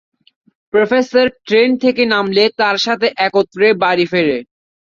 Professor train থেকে নামলে তার সাথে একত্রে বাড়ি ফেরে।